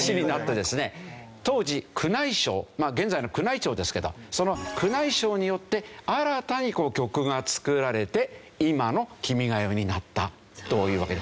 当時宮内省まあ現在の宮内庁ですけどその宮内省によって新たに曲が作られて今の『君が代』になったというわけです。